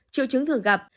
triệu trứng thường gặp